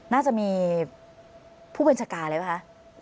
น่าจะมีผู้บัญชาการเลยไหมคะ